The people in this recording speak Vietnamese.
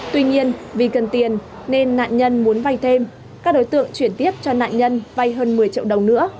tuy nhiên vì cần tiền nên nạn nhân muốn vay thêm các đối tượng chuyển tiếp cho nạn nhân vay hơn một mươi triệu đồng nữa